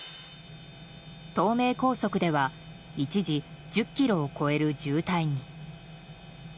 東名高速では一時１０ｋｍを超える渋滞に。